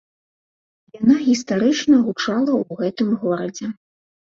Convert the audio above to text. Яна гістарычна гучала ў гэтым горадзе.